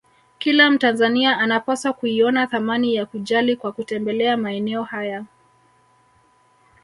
Kila Mtanzania anapaswa kuiona thamani ya kujali kwa kutembelea maeneo haya